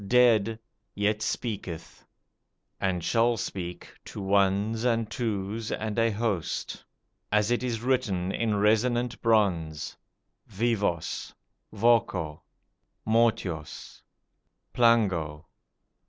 dead, yet speaketh; and shall speak, to ones and twos and a host. As it is written in resonant bronze: VIVOS . VOCO . MORTUOS . PLANGO